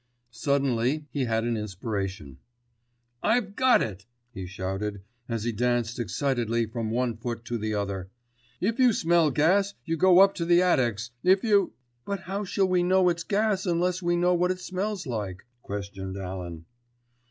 Suddenly he had an inspiration. "I've got it!" he shouted, as he danced excitedly from one foot to the other. "If you smell gas you go up to the attics: if you——" "But how shall we know it's gas unless we know what it smells like?" questioned Alan.